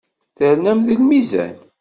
Ternam deg lmizan.